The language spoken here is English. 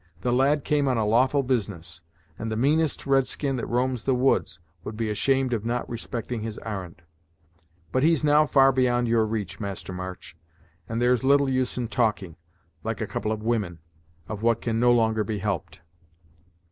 The lad came on a lawful business, and the meanest red skin that roams the woods would be ashamed of not respecting his ar'n'd. But he's now far beyond your reach, Master March, and there's little use in talking, like a couple of women, of what can no longer be helped."